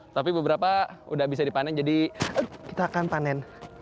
tapi beberapa udah bisa dipanen jadi kita akan panen